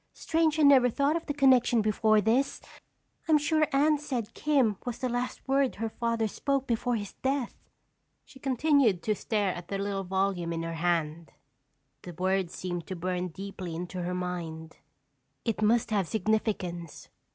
"Strange I never thought of the connection before this! I'm sure Anne said Kim was the last word her father spoke before his death." She continued to stare at the little volume in her hand. The word seemed to burn deeply into her mind. It must have significance.